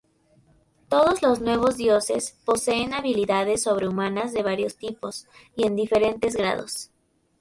Todos los Nuevos Dioses poseen habilidades sobrehumanas de varios tipos y en diferentes grados.